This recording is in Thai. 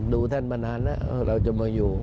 ท่านมานานแล้วเราจะมาอยู่